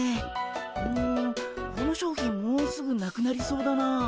うんこの商品もうすぐなくなりそうだなあ。